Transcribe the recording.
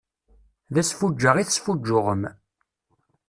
D asfuǧǧeɣ i tesfuǧǧuɣem.